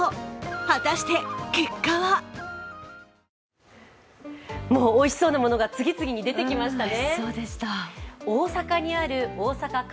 果たして結果はもう、おいしそうなものが次々に出てきましたね。